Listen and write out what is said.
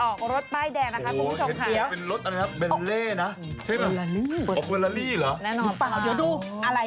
ก็เธอบอกเองถ้าขยับไปนู้นไม่ใช่